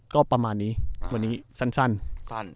ก็ประมาณนี้วันนี้สั้น